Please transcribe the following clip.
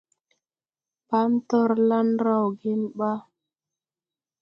Pan torlan raw gen ba?